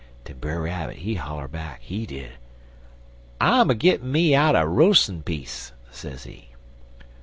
"'Den Brer Rabbit, he holler back, he did: I'm a gitten me out a roas'n piece,' sezee.